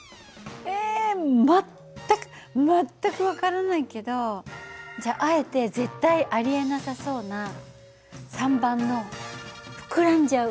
え全く全く分からないけどじゃああえて絶対ありえなさそうな３番の膨らんじゃう。